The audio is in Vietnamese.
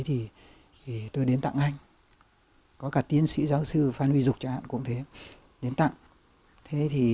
thì tôi đến tặng anh có cả tiến sĩ giáo sư phan huy dục chẳng hạn cũng thế đến tặng thế thì